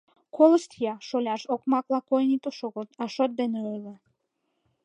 — Колышт-я, шоляш, окмакла койын ит шогылт, а шот дене ойло.